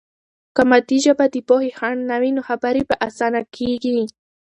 که مادي ژبه د پوهې خنډ نه وي، نو خبرې به آسانه کیږي.